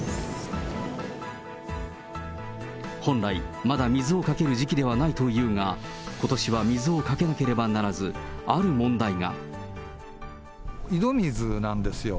本来、まだ水をかける時期ではないというが、ことしは水をかけなければならず、井戸水なんですよ。